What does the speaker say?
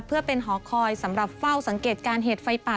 เพื่อเป็นหอคอยสำหรับเฝ้าสังเกตการณ์เหตุไฟป่า